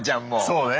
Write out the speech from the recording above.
そうね。